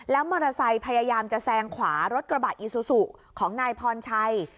มอเตอร์ไซค์พยายามจะแซงขวารถกระบะอีซูซูของนายพรชัย